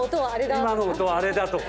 今の音はあれだとか。